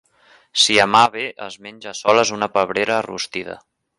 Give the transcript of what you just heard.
Si a mà ve es menja a soles una pebrera rostida.